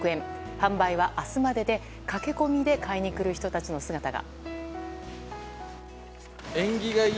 販売は明日までで、駆け込みで買いに来る人たちの姿が。